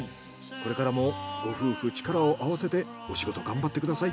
これからもご夫婦力を合わせてお仕事頑張ってください。